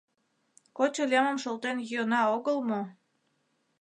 Кочо лемым шолтен йӱына огыл мо?